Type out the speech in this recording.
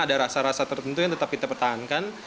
ada rasa rasa tertentu yang tetap kita pertahankan